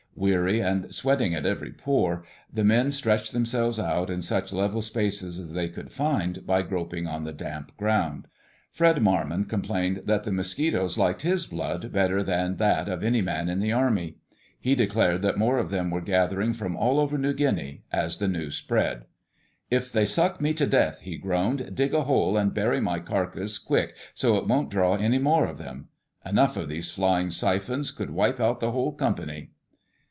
Weary, and sweating at every pore, the men stretched themselves out in such level spaces as they could find by groping on the damp ground. Fred Marmon complained that the mosquitoes liked his blood better than that of any man in the Army. He declared that more of them were gathering from all over New Guinea, as the news spread. "If they suck me to death," he groaned, "dig a hole and bury my carcass quick so it won't draw any more of them. Enough of these flying siphons could wipe out the whole company."